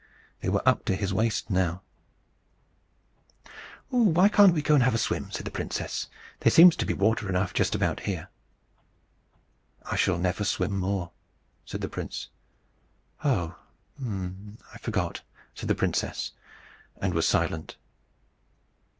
They were up to his waist now. "Why can't we go and have a swim?" said the princess. "There seems to be water enough just about here." "I shall never swim more," said the prince. "Oh, I forgot," said the princess, and was silent.